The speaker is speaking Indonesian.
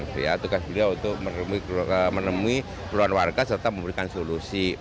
meneruskan tugas beliau untuk menemui keluarga serta memberikan solusi